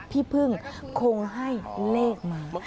พี่พึ่งคงให้เลขมา